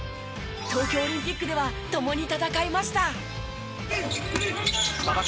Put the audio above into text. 東京オリンピックでは共に戦いました。